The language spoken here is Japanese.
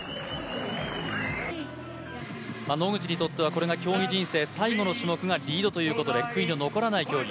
野口にとってはこれが競技人生最後の種目がリードということで悔いの残らない競技。